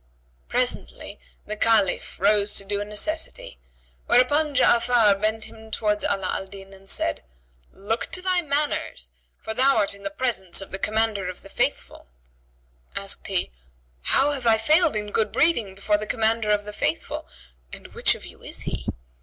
Presently the Caliph rose to do a necessity; whereupon Ja'afar bent him towards Ala al Din and said, "Look to thy manners, for thou art in the presence of the Commander of the Faithful " Asked he, "How have I failed in good breeding before the Commander of the Faithful, and which of you is he?"